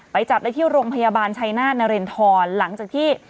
จับได้ที่โรงพยาบาลชัยนาธนรินทรหลังจากที่